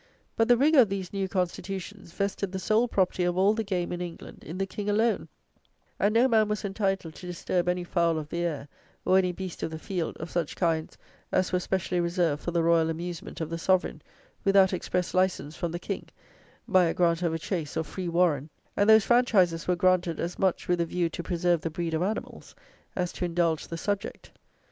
But the rigour of these new constitutions vested the sole property of all the game in England in the King alone; and no man was entitled to disturb any fowl of the air, or any beast of the field, of such kinds as were specially reserved for the royal amusement of the Sovereign, without express license from the King, by a grant of a chase or free warren: and those franchises were granted as much with a view to preserve the breed of animals, as to indulge the subject.